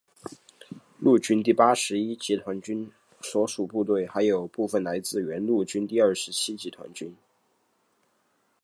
陆军第八十一集团军所属部队还有部分来自原陆军第二十七集团军。